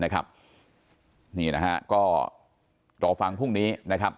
ก็รอฟังพรุ่งนี้